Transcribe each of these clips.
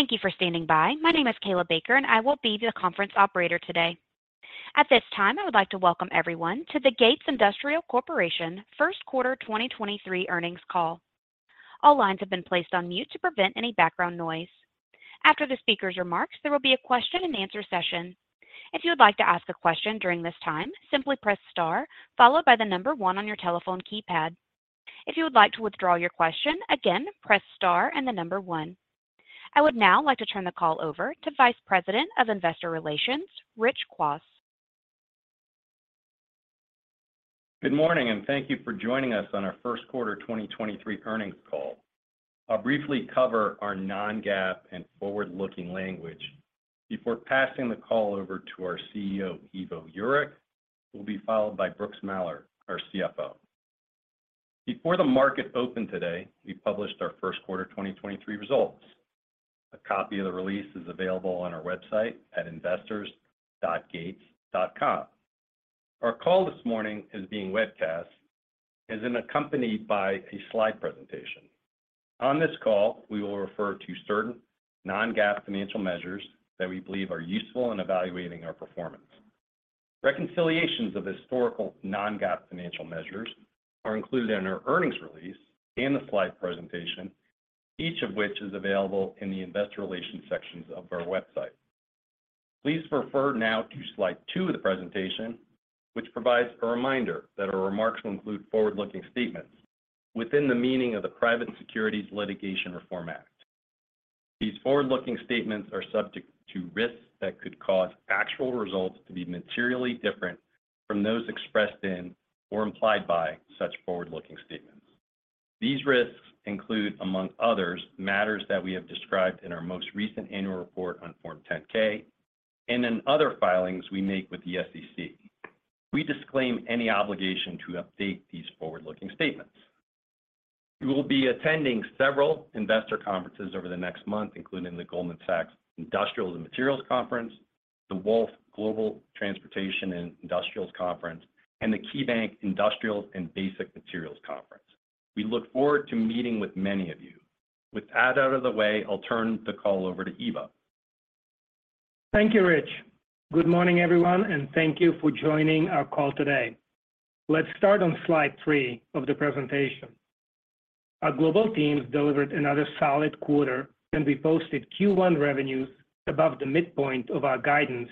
Thank you for standing by. My name is Kayla Baker, and I will be the conference operator today. At this time, I would like to welcome everyone to the Gates Industrial Corporation First Quarter 2023 earnings Call. All lines have been placed on mute to prevent any background noise. After the speaker's remarks, there will be a question-and-answer session. If you would like to ask a question during this time, simply press star followed by one on your telephone keypad. If you would like to withdraw your question, again, press star and one. I would now like to turn the call over to Vice President of Investor Relations, Rich Kwas. Good morning, thank you for joining us on our first quarter 2023 earnings call. I'll briefly cover our non-GAAP and forward-looking language before passing the call over to our CEO, Ivo Jurek, who will be followed by Brooks Mallard, our CFO. Before the market opened today, we published our first quarter 2023 results. A copy of the release is available on our website at investors.gates.com. Our call this morning is being webcast and is accompanied by a slide presentation. On this call, we will refer to certain non-GAAP financial measures that we believe are useful in evaluating our performance. Reconciliations of historical non-GAAP financial measures are included in our earnings release and the slide presentation, each of which is available in the Investor Relations sections of our website. Please refer now to slide two of the presentation, which provides a reminder that our remarks will include forward-looking statements within the meaning of the Private Securities Litigation Reform Act. These forward-looking statements are subject to risks that could cause actual results to be materially different from those expressed in or implied by such forward-looking statements. These risks include, among others, matters that we have described in our most recent annual report on Form 10-K and in other filings we make with the SEC. We disclaim any obligation to update these forward-looking statements. We will be attending several investor conferences over the next month, including the Goldman Sachs Industrials and Materials Conference, the Wolfe Global Transportation and Industrials Conference, and the KeyBanc Industrials and Basic Materials Conference. We look forward to meeting with many of you. With that out of the way, I'll turn the call over to Ivo. Thank you, Rich. Good morning, everyone, and thank you for joining our call today. Let's start on slide three of the presentation. Our global teams delivered another solid quarter, and we posted Q1 revenues above the midpoint of our guidance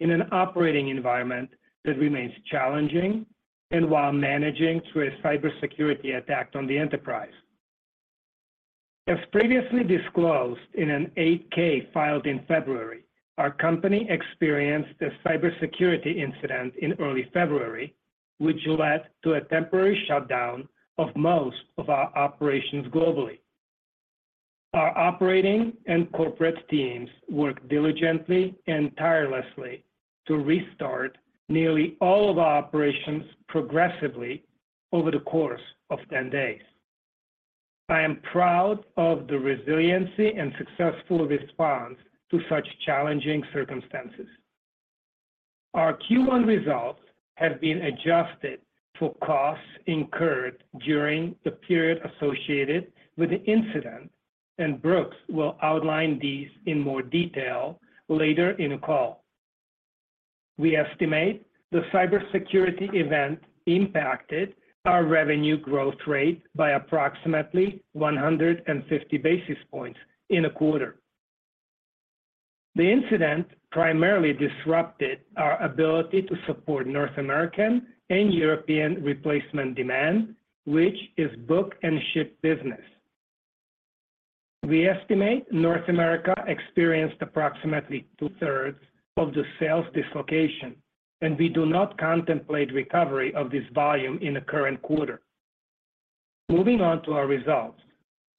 in an operating environment that remains challenging and while managing through a cybersecurity attack on the enterprise. As previously disclosed in an eight-K filed in February, our company experienced a cybersecurity incident in early February, which led to a temporary shutdown of most of our operations globally. Our operating and corporate teams worked diligently and tirelessly to restart nearly all of our operations progressively over the course of 10 days. I am proud of the resiliency and successful response to such challenging circumstances. Our Q1 results have been adjusted for costs incurred during the period associated with the incident. Brooks Mallard will outline these in more detail later in the call. We estimate the cybersecurity event impacted our revenue growth rate by approximately 150 basis points in a quarter. The incident primarily disrupted our ability to support North American and European replacement demand, which is book and ship business. We estimate North America experienced approximately two-thirds of the sales dislocation. We do not contemplate recovery of this volume in the current quarter. Moving on to our results.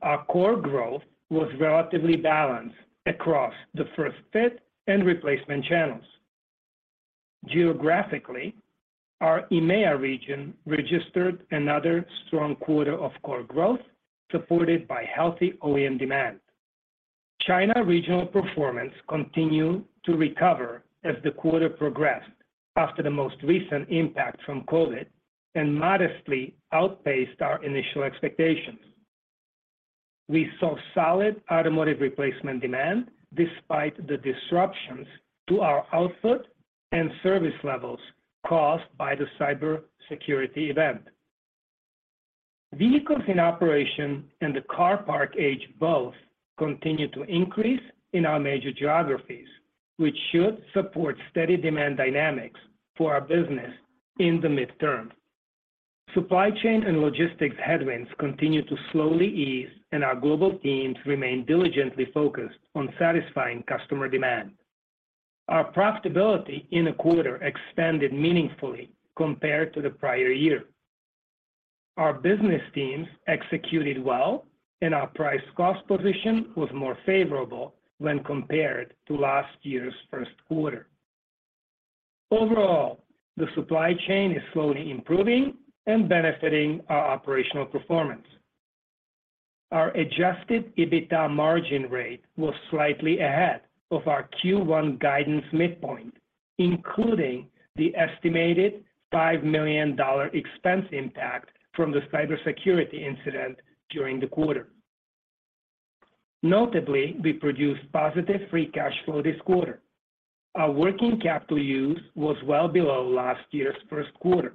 Our core growth was relatively balanced across the first fit and replacement channels. Geographically, our EMEA region registered another strong quarter of core growth supported by healthy OEM demand. China regional performance continued to recover as the quarter progressed after the most recent impact from COVID and modestly outpaced our initial expectations. We saw solid automotive replacement demand despite the disruptions to our output and service levels caused by the cybersecurity event. Vehicles in operation and the car park age both continued to increase in our major geographies, which should support steady demand dynamics for our business in the midterm. Supply chain and logistics headwinds continue to slowly ease, and our global teams remain diligently focused on satisfying customer demand. Our profitability in the quarter expanded meaningfully compared to the prior year. Our business teams executed well, and our price-cost position was more favorable when compared to last year's first quarter. Overall, the supply chain is slowly improving and benefiting our operational performance. Our Adjusted EBITDA margin rate was slightly ahead of our Q1 guidance midpoint. Including the estimated $5 million expense impact from the cybersecurity incident during the quarter. Notably, we produced positive free cash flow this quarter. Our working capital use was well below last year's first quarter.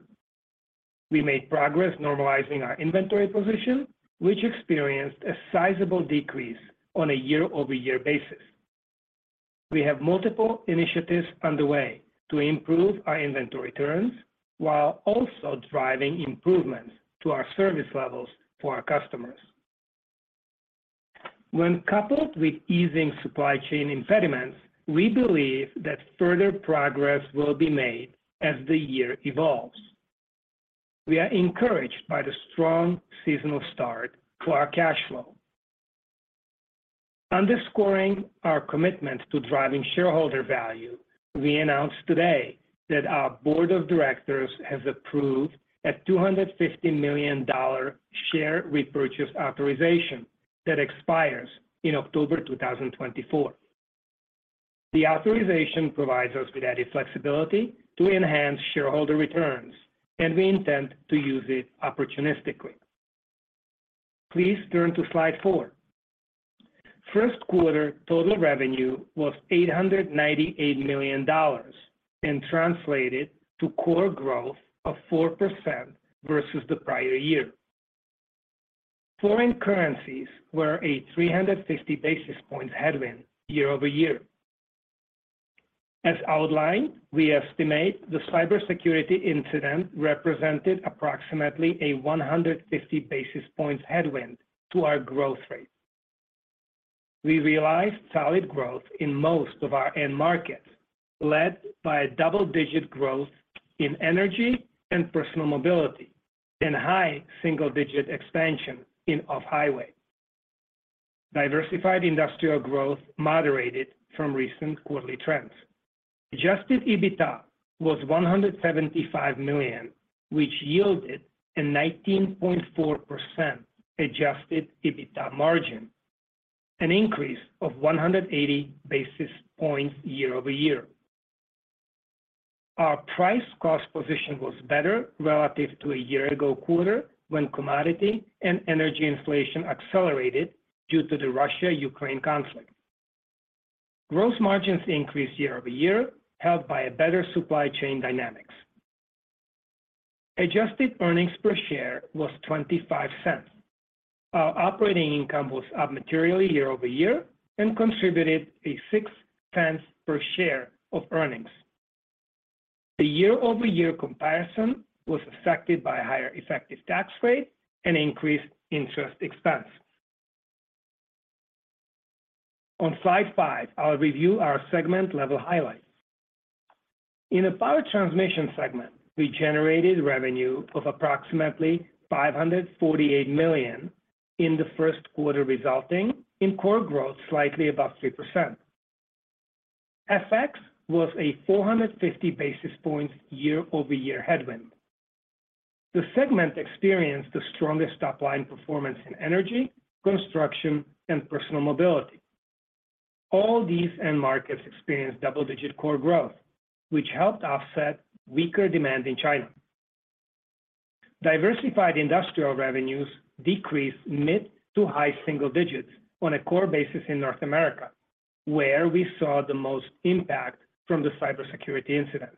We made progress normalizing our inventory position, which experienced a sizable decrease on a year-over-year basis. We have multiple initiatives underway to improve our inventory turns while also driving improvements to our service levels for our customers. When coupled with easing supply chain impediments, we believe that further progress will be made as the year evolves. We are encouraged by the strong seasonal start to our cash flow. Underscoring our commitment to driving shareholder value, we announce today that our board of directors has approved a $250 million share repurchase authorization that expires in October 2024. The authorization provides us with added flexibility to enhance shareholder returns, and we intend to use it opportunistically. Please turn to slide four. First quarter total revenue was $898 million and translated to core growth of 4% versus the prior year. Foreign currencies were a 350 basis points headwind year-over-year. As outlined, we estimate the cybersecurity incident represented approximately a 150 basis points headwind to our growth rate. We realized solid growth in most of our end markets, led by a double-digit growth in energy and Personal Mobility and high single-digit expansion in off-highway. diversified industrial growth moderated from recent quarterly trends. Adjusted EBITDA was $175 million, which yielded a 19.4% Adjusted EBITDA margin, an increase of 180 basis points year-over-year. Our price cost position was better relative to a year ago quarter when commodity and energy inflation accelerated due to the Russia-Ukraine conflict. Gross margins increased year-over-year, helped by a better supply chain dynamics. Adjusted earnings per share was $0.25. Our operating income was up materially year-over-year and contributed a $0.06 per share of earnings. The year-over-year comparison was affected by higher effective tax rate and increased interest expense. On slide five, I'll review our segment-level highlights. In the Power Transmission segment, we generated revenue of approximately $548 million in the first quarter, resulting in core growth slightly above 3%. FX was a 450 basis points year-over-year headwind. The segment experienced the strongest top-line performance in energy, construction, and Personal Mobility. All these end markets experienced double-digit core growth, which helped offset weaker demand in China. Diversified Industrial revenues decreased mid- to high single digits on a core basis in North America, where we saw the most impact from the cybersecurity incident.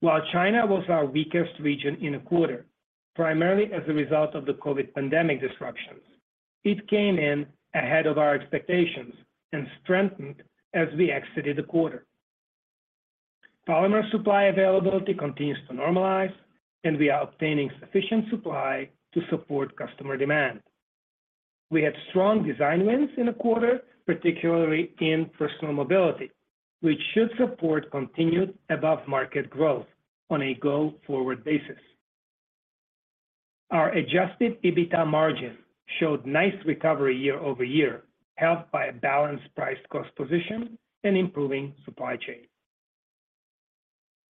While China was our weakest region in the quarter, primarily as a result of the COVID pandemic disruptions, it came in ahead of our expectations and strengthened as we exited the quarter. Polymer supply availability continues to normalize, and we are obtaining sufficient supply to support customer demand. We had strong design wins in the quarter, particularly in Personal Mobility, which should support continued above-market growth on a go-forward basis. Our Adjusted EBITDA margin showed nice recovery year-over-year, helped by a balanced price-cost position and improving supply chain.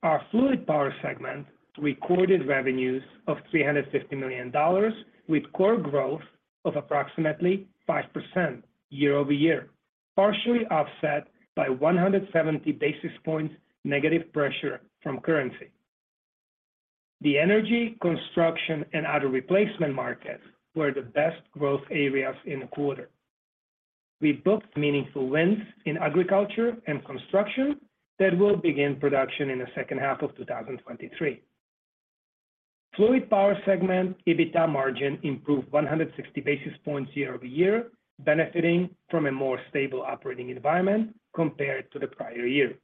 Our Fluid Power segment recorded revenues of $350 million with core growth of approximately 5% year-over-year, partially offset by 170 basis points negative pressure from currency. The energy, construction, and auto replacement markets were the best growth areas in the quarter. We booked meaningful wins in agriculture and construction that will begin production in the second half of 2023. Fluid Power segment EBITDA margin improved 160 basis points year-over-year, benefiting from a more stable operating environment compared to the prior year.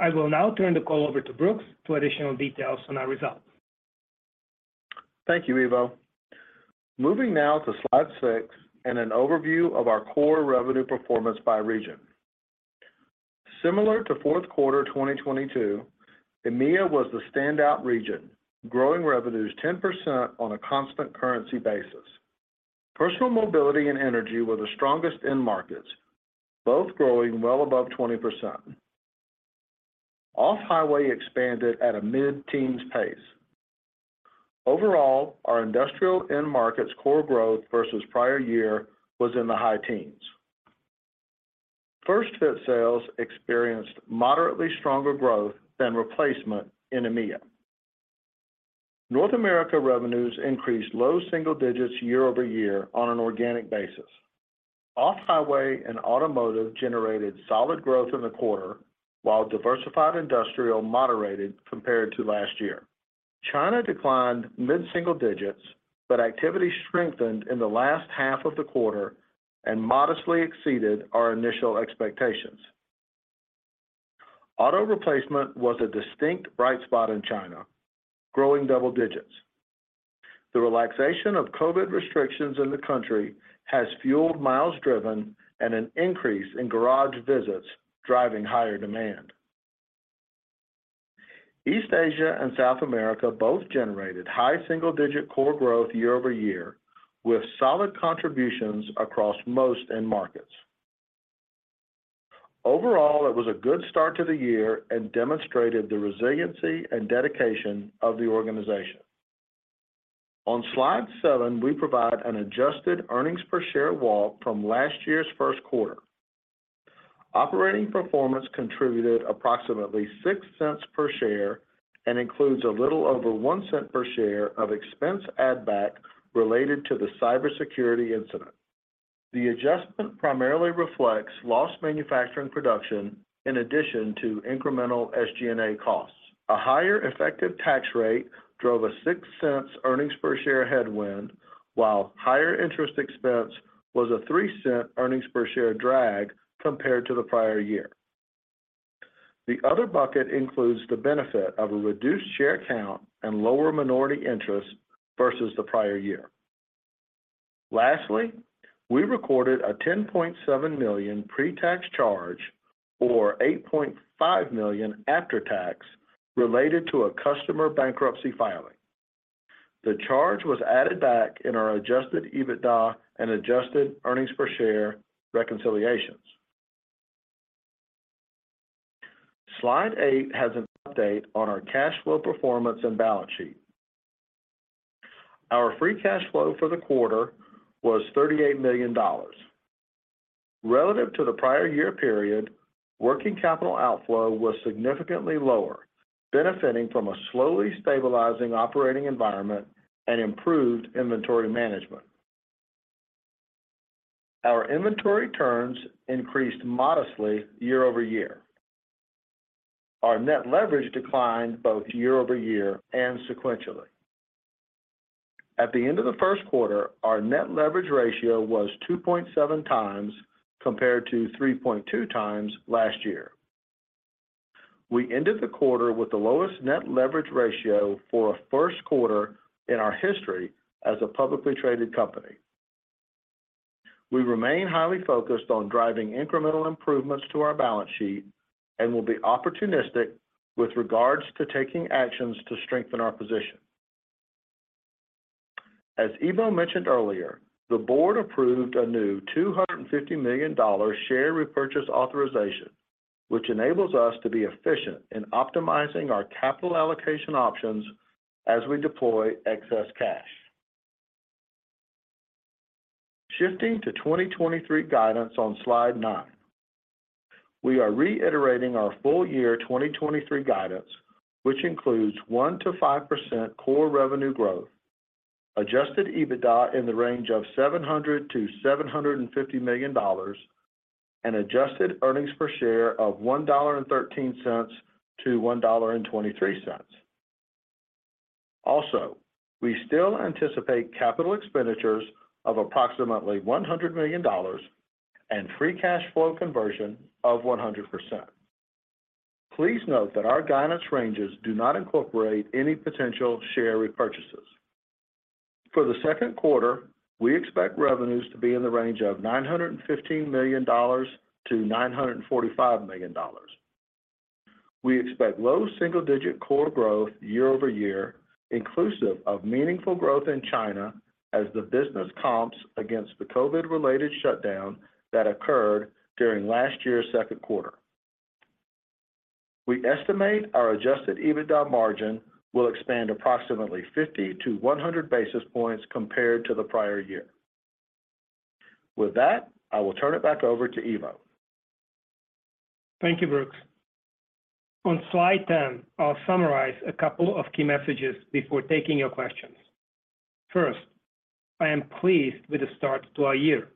I will now turn the call over to Brooks for additional details on our results. Thank you, Ivo. Moving now to slide six and an overview of our core revenue performance by region. Similar to fourth quarter 2022, EMEA was the standout region, growing revenues 10% on a constant currency basis. Personal Mobility and energy were the strongest end markets, both growing well above 20%. Off-highway expanded at a mid-teens pace. Overall, our industrial end markets core growth versus prior year was in the high teens. First fit sales experienced moderately stronger growth than replacement in EMEA. North America revenues increased low single digits year-over-year on an organic basis. Off-highway and automotive generated solid growth in the quarter, while diversified industrial moderated compared to last year. China declined mid single digits, activity strengthened in the last half of the quarter and modestly exceeded our initial expectations. Auto replacement was a distinct bright spot in China, growing double digits. The relaxation of COVID restrictions in the country has fueled miles driven and an increase in garage visits, driving higher demand. East Asia and South America both generated high single-digit core growth year-over-year, with solid contributions across most end markets. It was a good start to the year and demonstrated the resiliency and dedication of the organization. On slide seven, we provide an adjusted earnings per share walk from last year's first quarter. Operating performance contributed approximately $0.06 per share and includes a little over $0.01 per share of expense add back related to the cybersecurity incident. The adjustment primarily reflects lost manufacturing production in addition to incremental SG&A costs. A higher effective tax rate drove a $0.06 earnings per share headwind, while higher interest expense was a $0.03 earnings per share drag compared to the prior year. The other bucket includes the benefit of a reduced share count and lower minority interest versus the prior year. Lastly, we recorded a $10.7 million pre-tax charge or $8.5 million after tax related to a customer bankruptcy filing. The charge was added back in our Adjusted EBITDA and adjusted earnings per share reconciliations. Slide eight has an update on our cash flow performance and balance sheet. Our free cash flow for the quarter was $38 million. Relative to the prior year period, working capital outflow was significantly lower, benefiting from a slowly stabilizing operating environment and improved inventory management. Our inventory turns increased modestly year-over-year. Our net leverage declined both year-over-year and sequentially. At the end of the first quarter, our net leverage ratio was 2.7x compared to 3.2x last year. We ended the quarter with the lowest net leverage ratio for a first quarter in our history as a publicly traded company. We remain highly focused on driving incremental improvements to our balance sheet and will be opportunistic with regards to taking actions to strengthen our position. As Ivo mentioned earlier, the board approved a new $250 million share repurchase authorization, which enables us to be efficient in optimizing our capital allocation options as we deploy excess cash. Shifting to 2023 guidance on Slide nine. We are reiterating our full year 2023 guidance, which includes 1%-5% core revenue growth, Adjusted EBITDA in the range of $700 million-$750 million, and adjusted earnings per share of $1.13-$1.23. We still anticipate capital expenditures of approximately $100 million and free cash flow conversion of 100%. Please note that our guidance ranges do not incorporate any potential share repurchases. For the second quarter, we expect revenues to be in the range of $915 million-$945 million. We expect low single-digit core growth year-over-year, inclusive of meaningful growth in China as the business comps against the COVID-related shutdown that occurred during last year's second quarter. We estimate our Adjusted EBITDA margin will expand approximately 50-100 basis points compared to the prior year. With that, I will turn it back over to Ivo. Thank you, Brooks. On slide 10, I'll summarize a couple of key messages before taking your questions. First, I am pleased with the start to our year.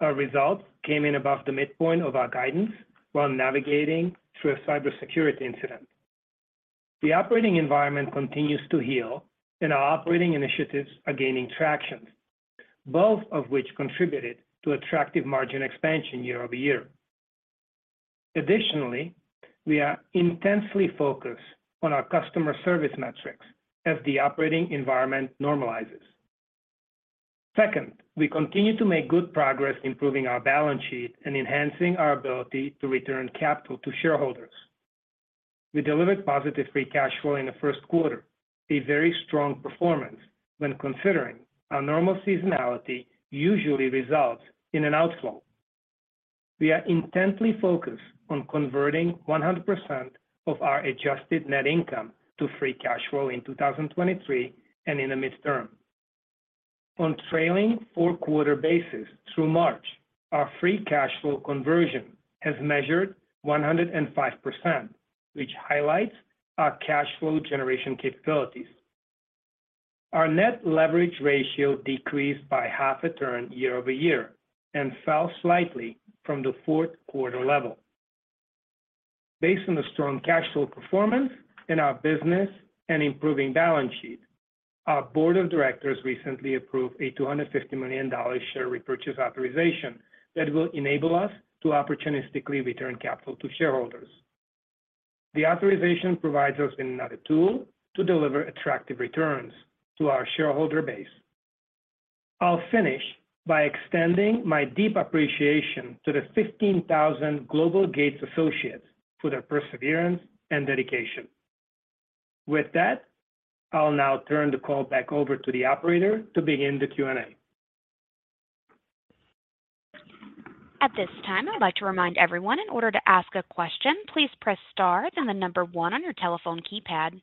Our results came in above the midpoint of our guidance while navigating through a cybersecurity incident. The operating environment continues to heal and our operating initiatives are gaining traction, both of which contributed to attractive margin expansion year-over-year. Additionally, we are intensely focused on our customer service metrics as the operating environment normalizes. Second, we continue to make good progress improving our balance sheet and enhancing our ability to return capital to shareholders. We delivered positive free cash flow in the first quarter, a very strong performance when considering our normal seasonality usually results in an outflow. We are intently focused on converting 100% of our adjusted net income to free cash flow in 2023 and in the midterm. On trailing fourth-quarter basis through March, our free cash flow conversion has measured 105%, which highlights our cash flow generation capabilities. Our net leverage ratio decreased by half a turn year-over-year and fell slightly from the fourth quarter level. Based on the strong cash flow performance in our business and improving balance sheet, our board of directors recently approved a $250 million share repurchase authorization that will enable us to opportunistically return capital to shareholders. The authorization provides us another tool to deliver attractive returns to our shareholder base. I'll finish by extending my deep appreciation to the 15,000 Gates Industrial associates for their perseverance and dedication. With that, I'll now turn the call back over to the operator to begin the Q&A. At this time, I'd like to remind everyone in order to ask a question, please press star, then one on your telephone keypad.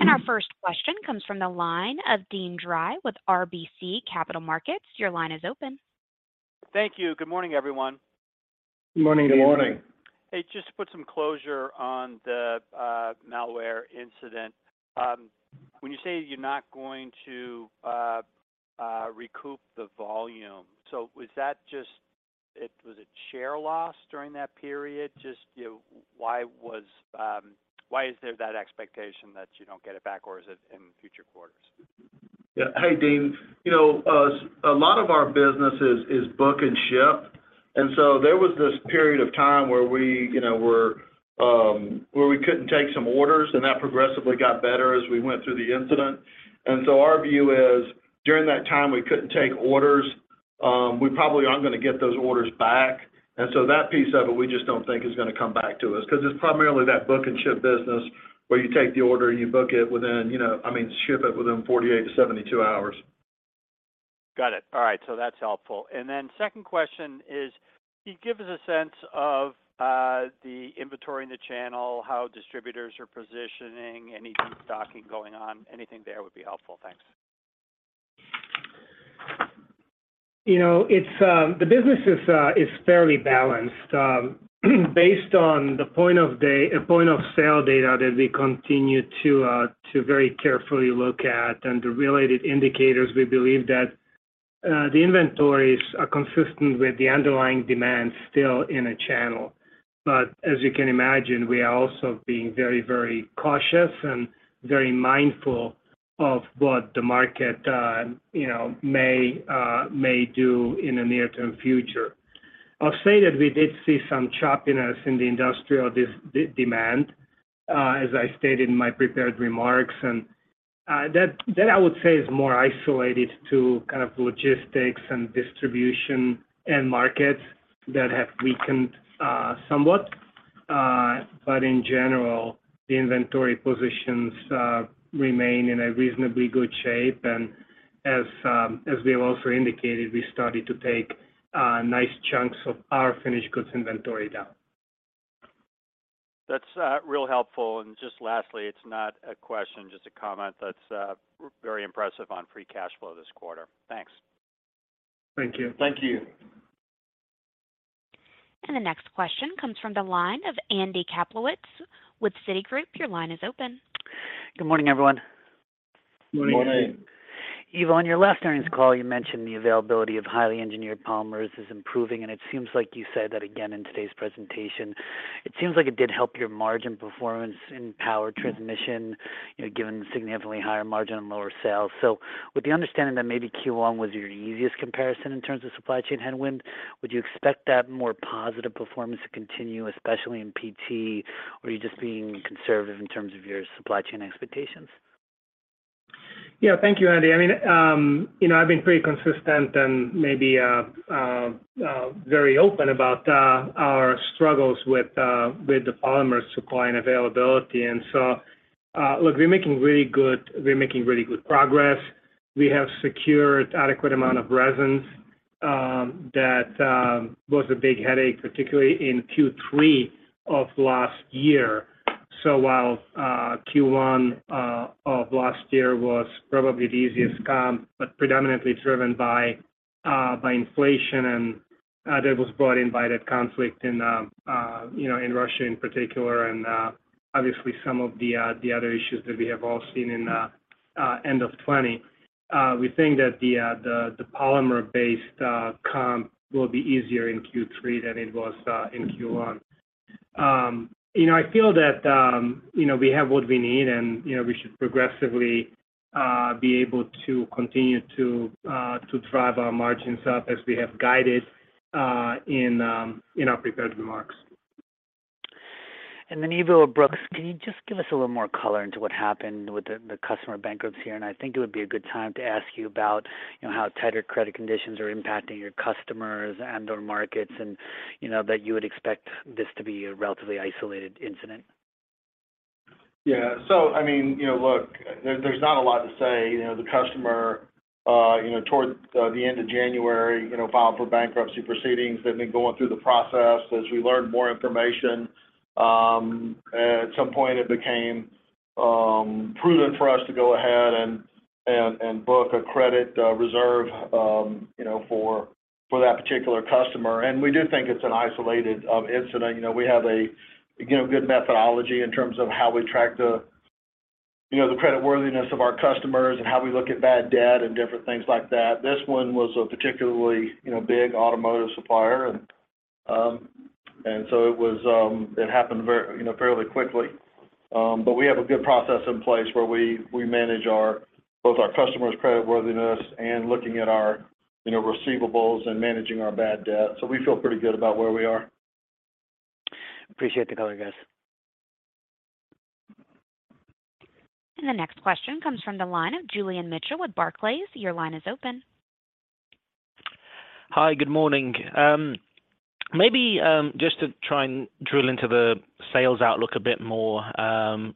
Our first question comes from the line of Deane Dray with RBC Capital Markets. Your line is open. Thank you. Good morning, everyone. Good morning. Good morning. Hey, just to put some closure on the malware incident. When you say you're not going to recoup the volume, was that just it was a share loss during that period? Just, you know, why is there that expectation that you don't get it back, or is it in future quarters? Yeah. Hey, Deane. You know, a lot of our business is book and ship. There was this period of time where we, you know, were where we couldn't take some orders, and that progressively got better as we went through the incident. Our view is, during that time we couldn't take orders, we probably aren't gonna get those orders back. That piece of it, we just don't think is gonna come back to us 'cause it's primarily that book and ship business where you take the order, and you book it within, you know, I mean, ship it within 48-72 hours. Got it. All right. That's helpful. Second question is: can you give us a sense of the inventory in the channel, how distributors are positioning, any de-stocking going on? Anything there would be helpful. Thanks. You know, it's, the business is fairly balanced. Based on the point of sale data that we continue to very carefully look at and the related indicators, we believe that, the inventories are consistent with the underlying demand still in a channel. As you can imagine, we are also being very, very cautious and very mindful of what the market, you know, may do in the near-term future. I'll say that we did see some choppiness in the industrial demand, as I stated in my prepared remarks. That, that I would say is more isolated to kind of logistics and distribution and markets that have weakened, somewhat. In general, the inventory positions, remain in a reasonably good shape. As we have also indicated, we started to take nice chunks of our finished goods inventory down. That's real helpful. Just lastly, it's not a question, just a comment. That's very impressive on free cash flow this quarter. Thanks. Thank you. Thank you. The next question comes from the line of Andy Kaplowitz with Citigroup. Your line is open. Good morning, everyone. Good morning. Good morning. Ivo, on your last earnings call, you mentioned the availability of highly engineered polymers is improving, and it seems like you said that again in today's presentation. It seems like it did help your margin performance in Power Transmission, you know, given the significantly higher margin and lower sales. With the understanding that maybe Q1 was your easiest comparison in terms of supply chain headwind, would you expect that more positive performance to continue, especially in PT, or are you just being conservative in terms of your supply chain expectations? Yeah. Thank Thank you, Andy. I mean, you know, I've been pretty consistent and maybe very open about our struggles with with the polymer supply and availability. Look, we're making really good, we're making really good progress. We have secured adequate amount of resins that was a big headache, particularly in Q3 of last year. While Q1 of last year was probably the easiest comp, but predominantly driven by inflation that was brought in by the conflict in, you know, in Russia in particular and obviously some of the other issues that we have all seen in end of 2020. We think that the the polymer-based comp will be easier in Q3 than it was in Q1. You know, I feel that, you know, we have what we need and, you know, we should progressively be able to continue to drive our margins up as we have guided in our prepared remarks. Then Ivo or Brooks, can you just give us a little more color into what happened with the customer bankruptcy? I think it would be a good time to ask you about, you know, how tighter credit conditions are impacting your customers and/or markets and, you know, that you would expect this to be a relatively isolated incident. Yeah. I mean, look, there's not a lot to say. The customer towards the end of January filed for bankruptcy proceedings. They've been going through the process. As we learned more information, at some point it became prudent for us to go ahead and book a credit reserve for that particular customer. We do think it's an isolated incident. We have a good methodology in terms of how we track the creditworthiness of our customers and how we look at bad debt and different things like that. This one was a particularly big automotive supplier. It happened very fairly quickly. We have a good process in place where we manage both our customers' creditworthiness and looking at our, you know, receivables and managing our bad debt. We feel pretty good about where we are. Appreciate the color, guys. The next question comes from the line of Julian Mitchell with Barclays. Your line is open. Hi. Good morning. Maybe, just to try and drill into the sales outlook a bit more,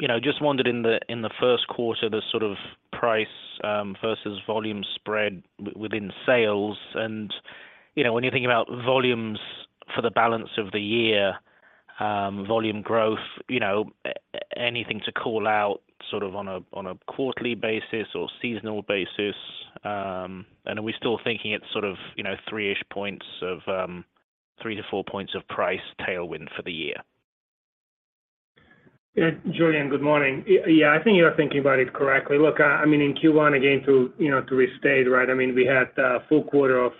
you know, just wondered in the, in the first quarter, the sort of price, versus volume spread within sales. When you think about volumes for the balance of the year, volume growth, you know, anything to call out sort of on a, on a quarterly basis or seasonal basis? Are we still thinking it's sort of, you know, three-ish points of, three-four points of price tailwind for the year? Julian, good morning. Yeah, I think you are thinking about it correctly. Look, I mean, in Q1, again, to, you know, to restate, right? I mean, we had a full quarter of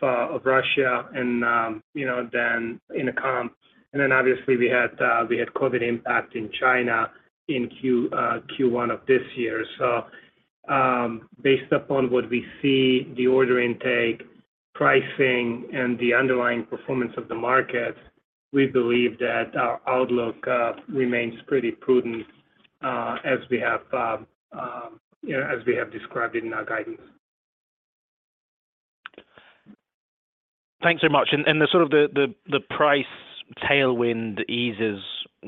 Russia and, you know, then in a comp. Then obviously we had we had COVID impact in China in Q1 of this year. Based upon what we see the order intake, pricing, and the underlying performance of the markets, we believe that our outlook remains pretty prudent as we have, you know, as we have described in our guidance. Thanks very much. The sort of the price tailwind eases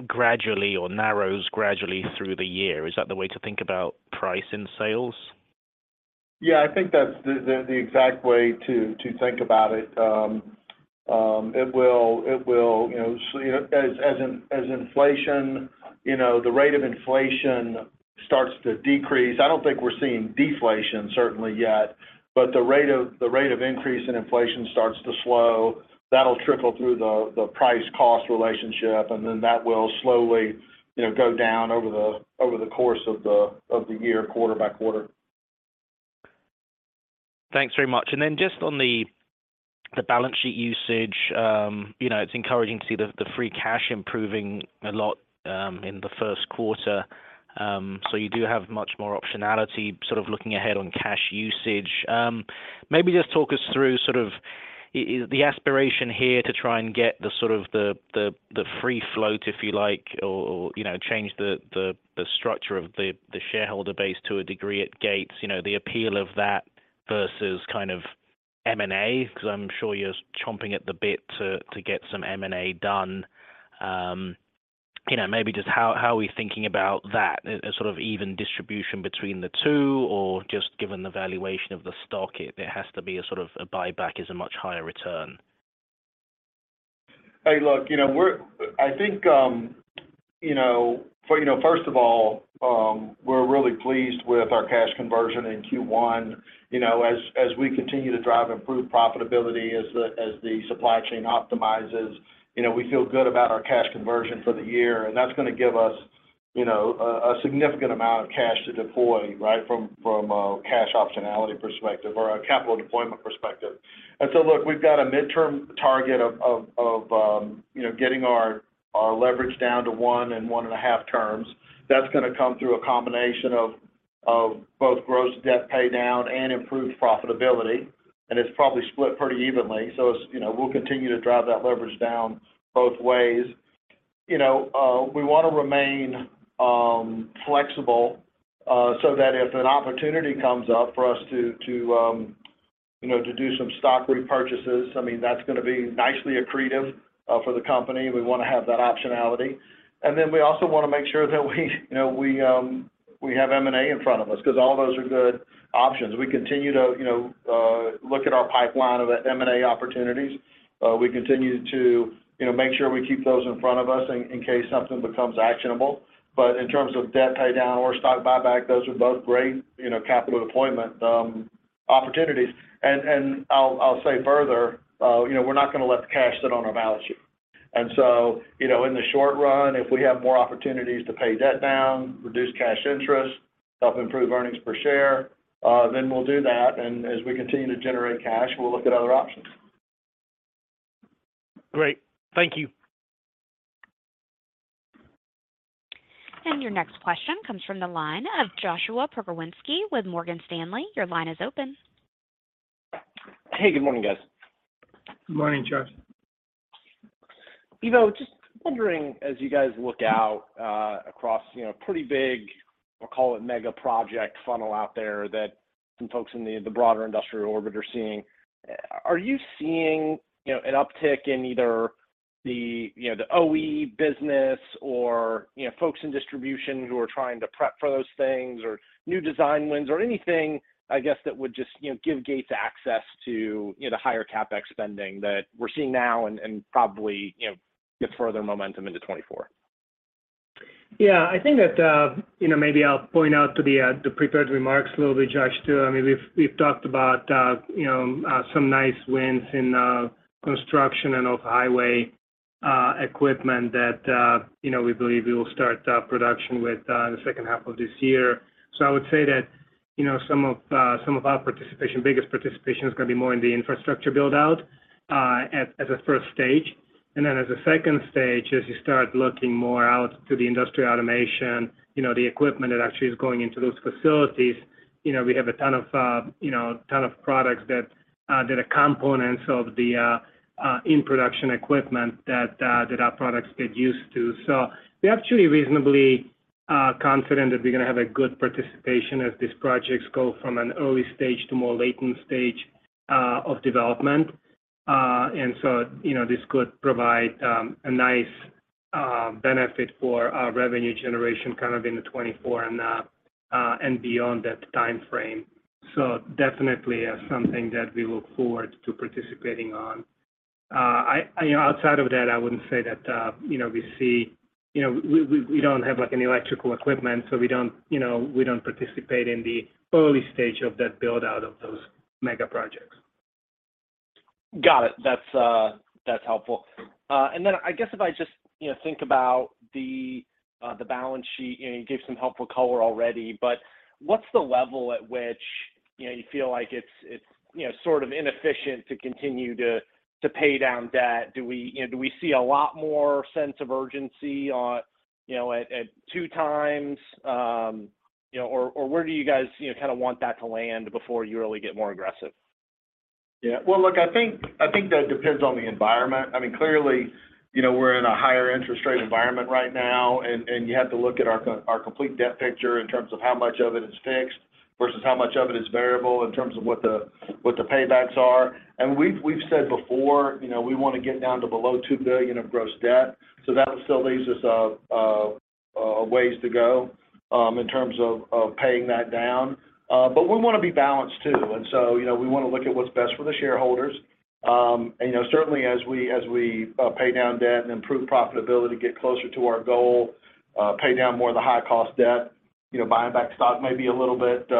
gradually or narrows gradually through the year. Is that the way to think about price in sales? Yeah. I think that's the exact way to think about it. It will, you know, as inflation, you know, the rate of inflation starts to decrease, I don't think we're seeing deflation certainly yet. The rate of increase in inflation starts to slow, that'll trickle through the price cost relationship, and then that will slowly, you know, go down over the course of the year, quarter by quarter. Thanks very much. Just on the balance sheet usage, you know, it's encouraging to see the free cash improving a lot in the first quarter. You do have much more optionality sort of looking ahead on cash usage. Maybe just talk us through sort of the aspiration here to try and get the free float, if you like, or, you know, change the structure of the shareholder base to a degree at Gates. You know, the appeal of that versus kind of M&A, 'cause I'm sure you're chomping at the bit to get some M&A done. You know, maybe just how are we thinking about that? A sort of even distribution between the two or just given the valuation of the stock, it has to be a sort of a buyback is a much higher return. Hey, look, you know, first of all, we're really pleased with our cash conversion in Q1. You know, as we continue to drive improved profitability as the supply chain optimizes, you know, we feel good about our cash conversion for the year, and that's gonna give us, you know, a significant amount of cash to deploy, right? From a cash optionality perspective or a capital deployment perspective. Look, we've got a midterm target of, you know, getting our leverage down to one and 1.5 terms. That's gonna come through a combination of both gross debt pay down and improved profitability. It's probably split pretty evenly. It's, you know, we'll continue to drive that leverage down both ways. You know, we wanna remain flexible, so that if an opportunity comes up for us to, you know, to do some stock repurchases, I mean, that's gonna be nicely accretive for the company. We wanna have that optionality. We also wanna make sure that we, you know, we have M&A in front of us 'cause all those are good options. We continue to, you know, look at our pipeline of M&A opportunities. We continue to, you know, make sure we keep those in front of us in case something becomes actionable. In terms of debt pay down or stock buyback, those are both great, you know, capital deployment opportunities. I'll say further, you know, we're not gonna let the cash sit on our balance sheet. You know, in the short run, if we have more opportunities to pay debt down, reduce cash interest, help improve earnings per share, then we'll do that. As we continue to generate cash, we'll look at other options. Great. Thank you. Your next question comes from the line of Joshua Pokrzywinski with Morgan Stanley. Your line is open. Hey, good morning, guys. Good morning, Josh. You know, just wondering, as you guys look out, across, you know, pretty big, I'll call it mega project funnel out there that some folks in the broader industrial orbit are seeing, are you seeing, you know, an uptick in either, you know, the OE business or, you know, folks in distribution who are trying to prep for those things or new design wins or anything, I guess, that would just, you know, give Gates access to, you know, the higher CapEx spending that we're seeing now and probably, you know, get further momentum into 2024? Yeah. I think that, you know, maybe I'll point out to the prepared remarks a little bit, Josh, too. I mean, we've talked about, you know, some nice wins in construction and off-highway equipment that, you know, we believe we will start production with the second half of this year. I would say that, you know, some of our participation, biggest participation is gonna be more in the infrastructure build-out, as a first stage. Then as a second stage, as you start looking more out to the industrial automation, you know, the equipment that actually is going into those facilities, you know, we have a ton of products that are components of the in-production equipment that our products get used to. We're actually reasonably confident that we're gonna have a good participation as these projects go from an early stage to more latent stage of development. You know, this could provide a nice benefit for our revenue generation kind of in the 2024 and beyond that timeframe. Definitely something that we look forward to participating on. I, you know, outside of that, I wouldn't say that, you know, we see. You know, we don't have, like, an electrical equipment, so we don't, you know, we don't participate in the early stage of that build-out of those mega projects. Got it. That's, that's helpful. I guess if I just, you know, think about the balance sheet, and you gave some helpful color already, but what's the level at which, you know, you feel like it's, you know, sort of inefficient to continue to pay down debt? Do we, you know, do we see a lot more sense of urgency on, you know, at 2x, you know, or where do you guys, you know, kind of want that to land before you really get more aggressive? Well, look, I think that depends on the environment. I mean, clearly, you know, we're in a higher interest rate environment right now, and you have to look at our complete debt picture in terms of how much of it is fixed versus how much of it is variable in terms of what the paybacks are. We've said before, you know, we wanna get down to below $2 billion of gross debt, so that still leaves us a ways to go in terms of paying that down. We wanna be balanced too. You know, we wanna look at what's best for the shareholders. you know, certainly as we pay down debt and improve profitability, get closer to our goal, pay down more of the high cost debt, you know, buying back stock may be a little bit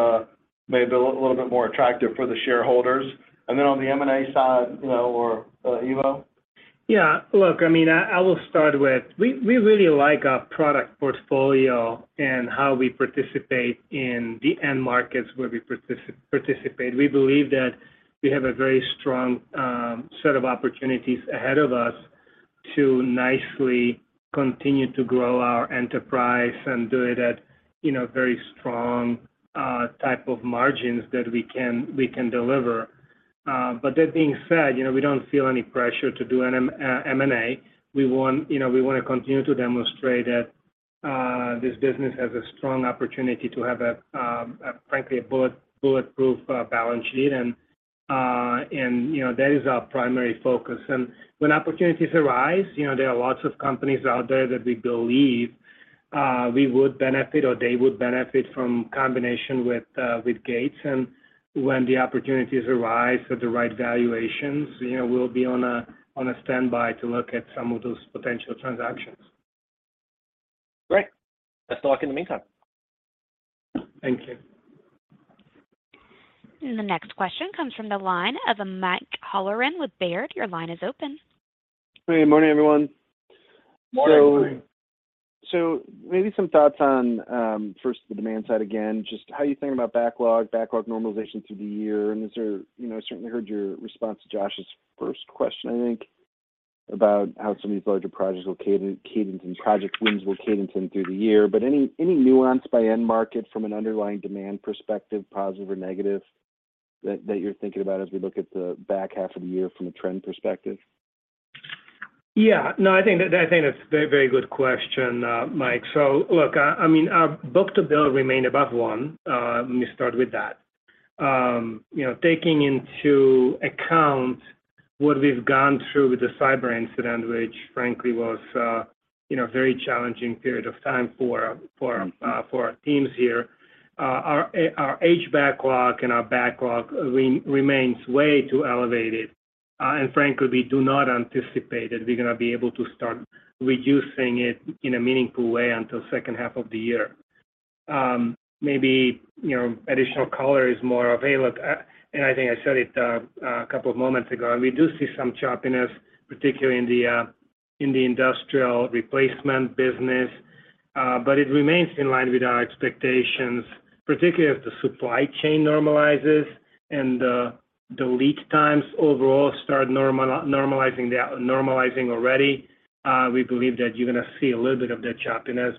more attractive for the shareholders. Then on the M&A side, you know, or, Ivo? Look, I mean, I will start with we really like our product portfolio and how we participate in the end markets where we participate. We believe that we have a very strong set of opportunities ahead of us to nicely continue to grow our enterprise and do it at, you know, very strong type of margins that we can deliver. That being said, you know, we don't feel any pressure to do an M&A. You know, we wanna continue to demonstrate that this business has a strong opportunity to have a, frankly, a bullet-proof balance sheet and, you know, that is our primary focus. When opportunities arise, you know, there are lots of companies out there that we believe, we would benefit or they would benefit from combination with Gates. When the opportunities arise at the right valuations, you know, we'll be on a standby to look at some of those potential transactions. Great. Best of luck in the meantime. Thank you. The next question comes from the line of Michael Halloran with Baird. Your line is open. Hey, morning, everyone. Morning. Morning. Maybe some thoughts on first the demand side again, just how you're thinking about backlog normalization through the year. You know, I certainly heard your response to Josh's first question, I think, about how some of these larger projects will cadence and project wins will cadence in through the year. Any nuance by end market from an underlying demand perspective, positive or negative, that you're thinking about as we look at the back half of the year from a trend perspective? I think that's a very, very good question, Mike. Look, I mean, our book-to-bill remained above one, let me start with that. You know, taking into account what we've gone through with the cyber incident, which frankly was, you know, a very challenging period of time for our teams here. Our age backlog and our backlog remains way too elevated. Frankly, we do not anticipate that we're gonna be able to start reducing it in a meaningful way until second half of the year. Maybe, you know, additional color is more available. I think I said it a couple of moments ago, we do see some choppiness, particularly in the industrial replacement business. It remains in line with our expectations, particularly as the supply chain normalizes and the lead times overall start normalizing already. We believe that you're gonna see a little bit of that choppiness.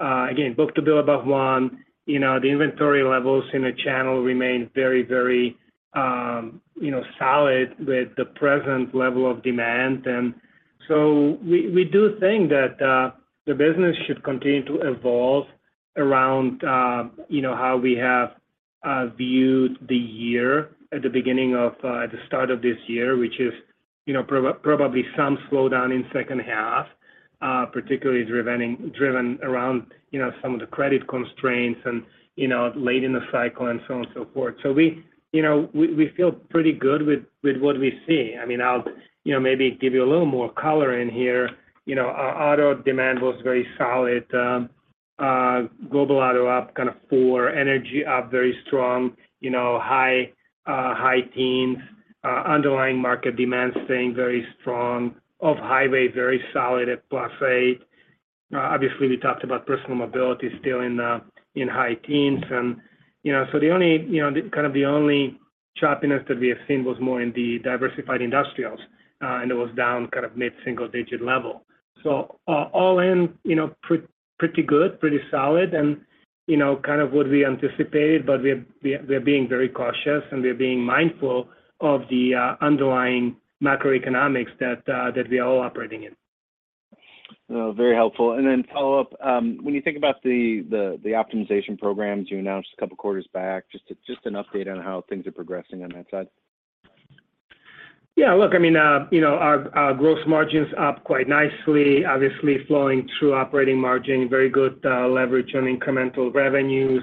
Again, book-to-bill above one, you know, the inventory levels in the channel remain very, very, you know, solid with the present level of demand. We, we do think that the business should continue to evolve around, you know, how we have viewed the year at the beginning of, at the start of this year, which is, you know, probably some slowdown in second half, particularly driven around, you know, some of the credit constraints and, you know, late in the cycle and so on and so forth. we, you know, we feel pretty good with what we see. I mean, I'll, you know, maybe give you a little more color in here. You know, our auto demand was very solid. global auto up kind of 4%. Energy up very strong, you know, high teens. Underlying market demand staying very strong. Off-highway, very solid at +8%. Obviously, we talked about Personal Mobility still in high teens. you know, the only, you know, kind of the only choppiness that we have seen was more in the diversified industrial, and it was down kind of mid-single digit level. all in, you know, pretty good, pretty solid and, you know, kind of what we anticipated. We're being very cautious, and we're being mindful of the underlying macroeconomics that we are all operating in. Well, very helpful. Follow-up, when you think about the optimization programs you announced a couple of quarters back, just an update on how things are progressing on that side. Yeah, look, I mean, you know, our gross margins up quite nicely, obviously flowing through operating margin, very good leverage on incremental revenues.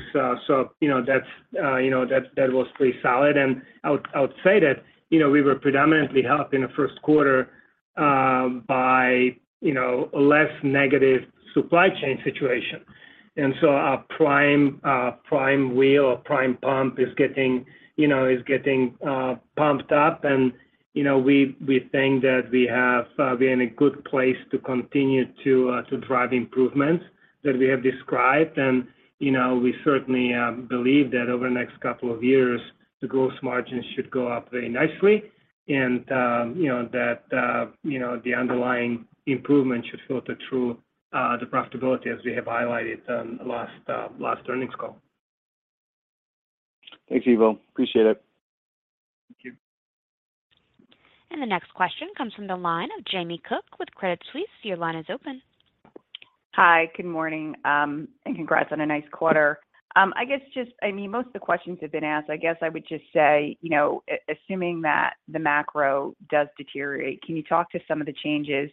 You know, that's, you know, that was pretty solid. I would say that, you know, we were predominantly helped in the first quarter by, you know, a less negative supply chain situation. Our prime prime wheel or prime pump is getting pumped up. You know, we think that we have, we're in a good place to continue to drive improvements that we have described. You know, we certainly believe that over the next couple of years, the gross margins should go up very nicely and, you know, that, you know, the underlying improvement should filter through the profitability as we have highlighted on the last earnings call. Thanks, Ivo. Appreciate it. Thank you. The next question comes from the line of Jamie Cook with Credit Suisse. Your line is open. Hi. Good morning, and congrats on a nice quarter. I guess I mean, most of the questions have been asked. I guess I would just say, you know, assuming that the macro does deteriorate, can you talk to some of the changes,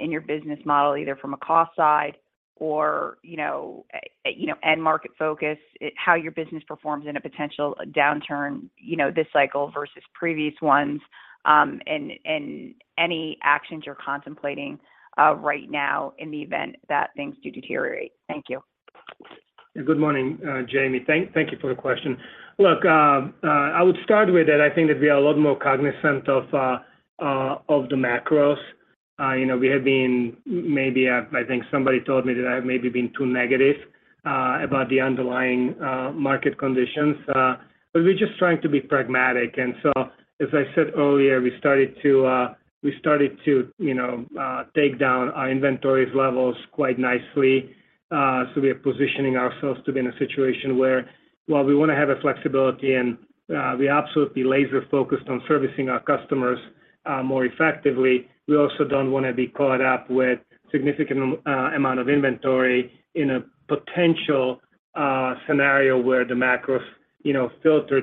in your business model, either from a cost side or, you know, end market focus, how your business performs in a potential downturn, you know, this cycle versus previous ones, and any actions you're contemplating, right now in the event that things do deteriorate? Thank you. Good morning, Jamie. Thank you for the question. Look, I would start with that I think that we are a lot more cognizant of the macros. You know, we have been maybe I think somebody told me that I have maybe been too negative about the underlying market conditions. We're just trying to be pragmatic. As I said earlier, we started to, you know, take down our inventories levels quite nicely. We are positioning ourselves to be in a situation where while we wanna have a flexibility and we're absolutely laser-focused on servicing our customers more effectively, we also don't wanna be caught up with significant amount of inventory in a potential scenario where the macros, you know, filter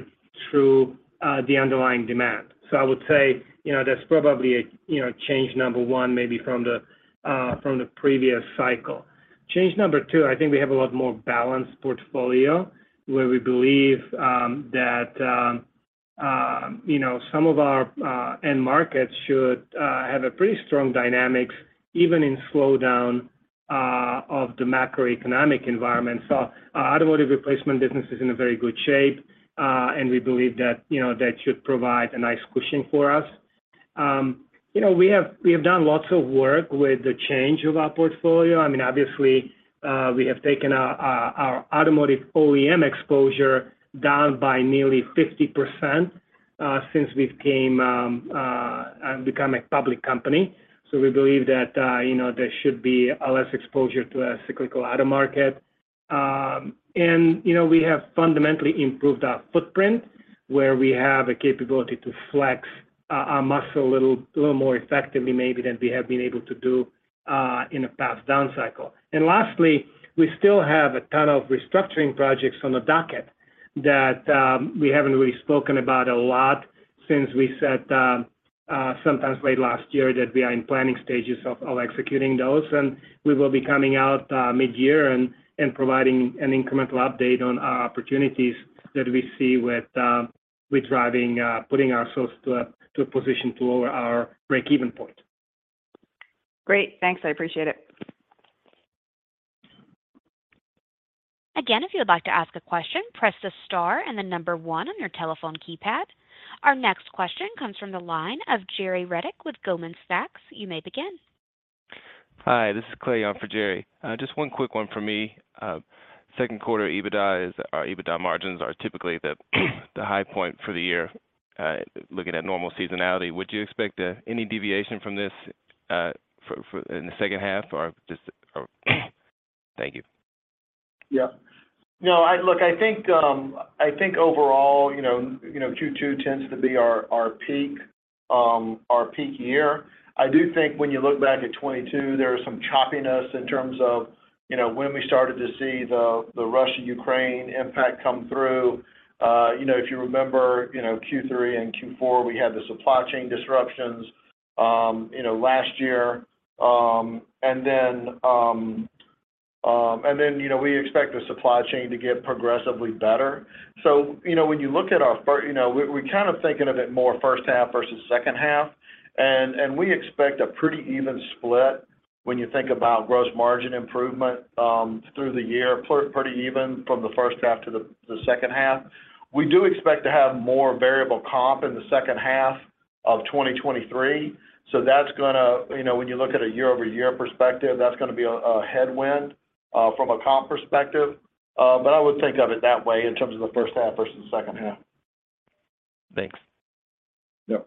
through the underlying demand. I would say, you know, that's probably a, you know, change number one maybe from the previous cycle. Change number two, I think we have a lot more balanced portfolio, where we believe that, you know, some of our end markets should have a pretty strong dynamics even in slowdown of the macroeconomic environment. Our automotive replacement business is in a very good shape, and we believe that, you know, that should provide a nice cushion for us. You know, we have done lots of work with the change of our portfolio. I mean, obviously, we have taken our automotive OEM exposure down by nearly 50% since we become a public company. We believe that, you know, there should be a less exposure to a cyclical auto market. You know, we have fundamentally improved our footprint where we have a capability to flex our muscle a little more effectively maybe than we have been able to do in a past down cycle. Lastly, we still have a ton of restructuring projects on the docket that we haven't really spoken about a lot since we said sometimes late last year that we are in planning stages of executing those. We will be coming out, mid-year and providing an incremental update on our opportunities that we see with driving, putting ourselves to a position to lower our break-even point. Great. Thanks. I appreciate it. Again, if you would like to ask a question, press the star and the one on your telephone keypad. Our next question comes from the line of Jerry Revich with Goldman Sachs. You may begin. Hi, this is Clay on for Jerry. Just one quick one from me. Second quarter EBITDA or EBITDA margins are typically the high point for the year, looking at normal seasonality. Would you expect any deviation from this for in the second half or just or... Thank you. Yeah. No, I Look, I think overall, you know, you know, Q2 tends to be our peak. Our peak year. I do think when you look back at 22, there was some choppiness in terms of, you know, when we started to see the Russia-Ukraine impact come through. You know, if you remember, you know, Q3 and Q4, we had the supply chain disruptions, you know, last year. Then, you know, we expect the supply chain to get progressively better. You know, when you look at our, you know, we're kind of thinking of it more first half versus second half. We expect a pretty even split when you think about gross margin improvement, through the year, pretty even from the first half to the second half. We do expect to have more variable comp in the second half of 2023, so that's gonna... You know, when you look at a year-over-year perspective, that's gonna be a headwind from a comp perspective. I would think of it that way in terms of the first half versus the second half. Thanks. Yeah.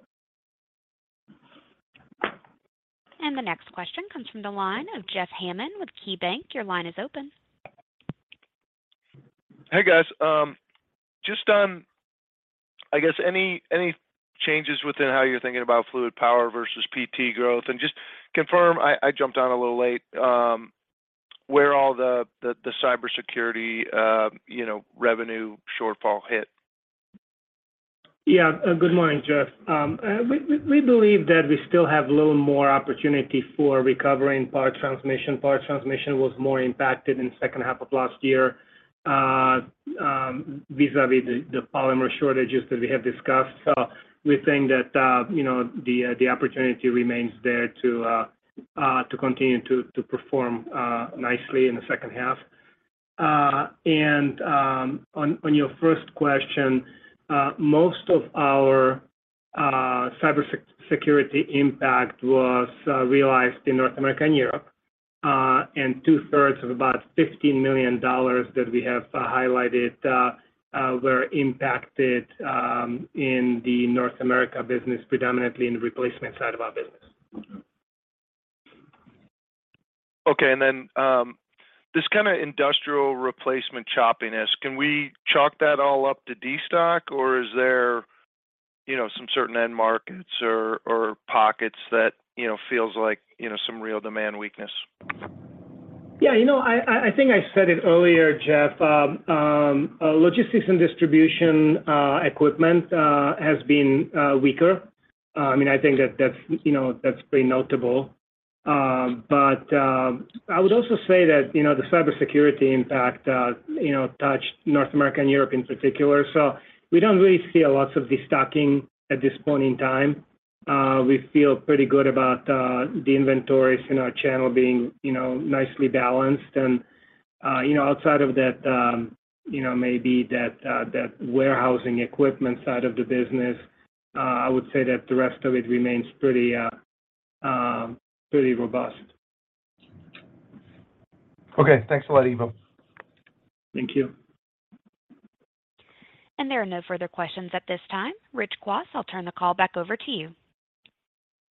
The next question comes from the line of Jeffrey Hammond with KeyBanc. Your line is open. Hey, guys. Just on, I guess, any changes within how you're thinking about Fluid Power versus PT growth? Just confirm, I jumped on a little late, where all the cybersecurity, you know, revenue shortfall hit. . We believe that we still have a little more opportunity for recovering Power Transmission. Power Transmission was more impacted in second half of last year vis-a-vis the polymer shortages that we have discussed. So we think that, you know, the opportunity remains there to continue to perform nicely in the second half. And on your first question, most of our cybersecurity impact was realized in North America and Europe. And 2/3 of about $15 million that we have highlighted were impacted in the North America business, predominantly in the replacement side of our business. Okay. This kinda industrial replacement choppiness, can we chalk that all up to destock, or is there, you know, some certain end markets or pockets that, you know, feels like, you know, some real demand weakness? Yeah, you know, I think I said it earlier, Jeff. logistics and distribution equipment has been weaker. I mean, I think that that's, you know, that's pretty notable. I would also say that, you know, the cybersecurity impact, you know, touched North America and Europe in particular. We don't really see lots of destocking at this point in time. We feel pretty good about the inventories in our channel being, you know, nicely balanced. You know, outside of that, you know, maybe that warehousing equipment side of the business, I would say that the rest of it remains pretty robust. Okay. Thanks for that, Ivo. Thank you. There are no further questions at this time. Rich Kwas, I'll turn the call back over to you.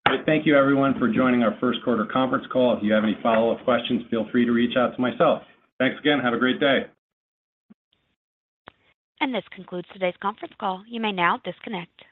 Great. Thank you everyone for joining our first quarter conference call. If you have any follow-up questions, feel free to reach out to myself. Thanks again. Have a great day. This concludes today's conference call. You may now disconnect.